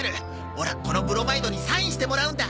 オラこのブロマイドにサインしてもらうんだ。